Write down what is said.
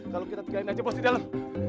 kalau kita tigain aja pos di dalam